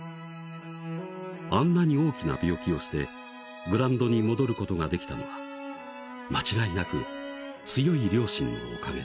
「あんなに大きな病気をしてグランドに戻る事が出来たのはまちがいなく強い両親のおかげです」